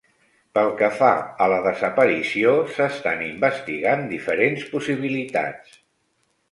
Pel que fa a la desaparició, s'estan investigant diferents possibilitats.